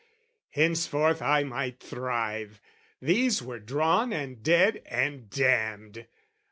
Henceforth I might thrive: these were drawn and dead and damned.